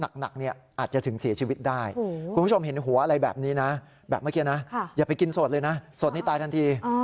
กินสดเลยนะสดนี้ตายทันที